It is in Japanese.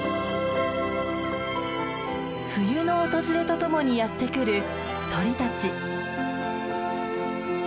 冬の訪れとともにやって来る鳥たち。